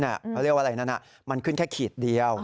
เขาเรียกว่าอะไรนั้นมันขึ้นแค่ขีดเดียว